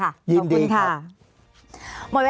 ภารกิจสรรค์ภารกิจสรรค์